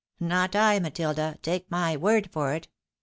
Not I, Matilda, take my word for it.